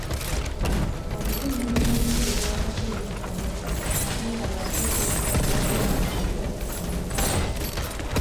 Aliko emirimu emikulu gy'akoze eri ekkanisa ate nga bw'atuuka okwagala abaana abato ayitawo.